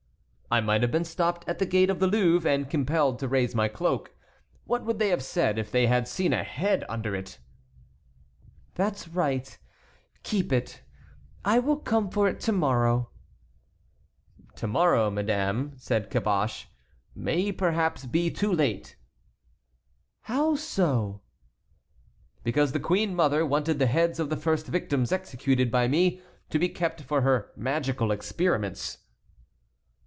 "I might have been stopped at the gate of the Louvre, and compelled to raise my cloak. What would they have said if they had seen a head under it?" "That is right; keep it. I will come for it to morrow." "To morrow, madame," said Caboche, "may perhaps be too late." "How so?" "Because the queen mother wanted the heads of the first victims executed by me to be kept for her magical experiments."